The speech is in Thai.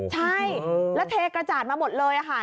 ใช่แล้วเทกระจาดมาหมดเลยค่ะ